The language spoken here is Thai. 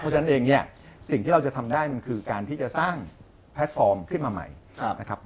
เพราะฉะนั้นเองเนี่ยสิ่งที่เราจะทำได้มันคือการที่จะสร้างแพลตฟอร์มขึ้นมาใหม่นะครับ